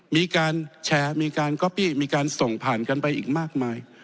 มีการแชร์มีการก๊อปปี้มีการส่งผ่านกันไปอีกมากมาย